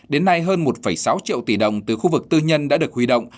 đến nay hơn một sáu triệu tỷ đồng từ khu vực tư nhân đã được huy động